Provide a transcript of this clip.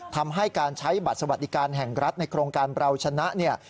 ทำให้การใช้บัตรสวัสดิการแห่งรัฐในโครงการเราชนะเนี่ย